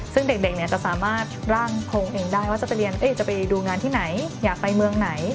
ซึ่งเด็กเนี่ยจะสามารถร่างทรงเองได้ว่าจะไปเรียนจะไปดูงานที่ไหนอยากไปเมืองไหน